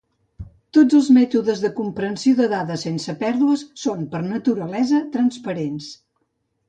Tots els mètodes de compressió de dades sense pèrdues són, per naturalesa, transparents.